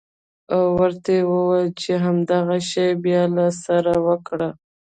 او ورته ووايې چې همدغه شى بيا له سره وکره.